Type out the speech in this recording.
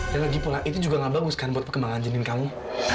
dan lagi pula itu juga gak bagus kan buat pekembangan jenin kamu